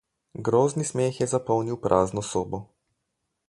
Grozni smeh je zapolnil prazno sobo.